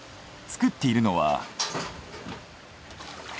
作っているのは。